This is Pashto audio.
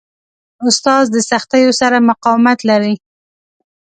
استاد د سختیو سره مقاومت لري.